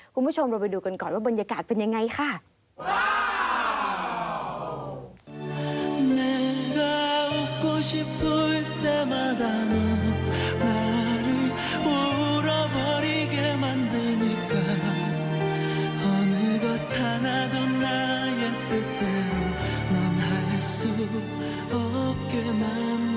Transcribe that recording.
คุณผู้ชมเราไปดูกันก่อนว่าบรรยากาศเป็นยังไงค่ะ